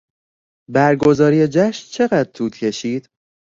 برگزاری جشن چقدر طول کشید؟